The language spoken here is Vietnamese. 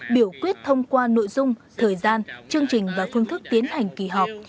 biểu quyết thông qua nội dung thời gian chương trình và phương thức tiến hành kỳ họp